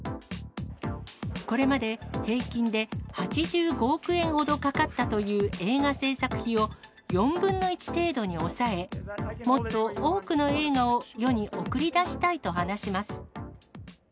これまで平均で８５億円ほどかかったという映画製作費を４分の１程度に抑え、もっと多くの映画を世に送り出したいと話します。